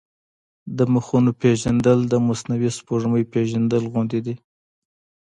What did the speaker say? د مخونو پېژندل د مصنوعي سپوږمۍ پېژندل غوندې دي.